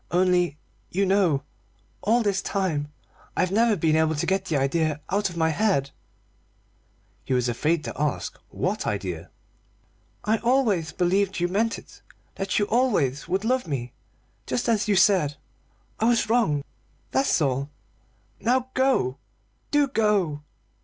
Only, you know, all this time I've never been able to get the idea out of my head " He was afraid to ask what idea. "I always believed you meant it; that you always would love me, just as you said. I was wrong, that's all. Now go! Do go!"